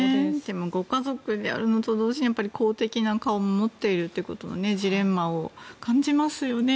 ご家族であるのと同時に公的な顔も持っているということのジレンマを感じますよね。